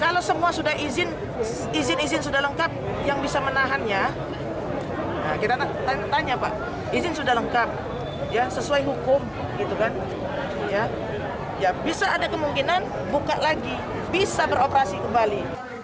kalau semua sudah izin izin sudah lengkap yang bisa menahannya kita tanya pak izin sudah lengkap sesuai hukum ya bisa ada kemungkinan buka lagi bisa beroperasi kembali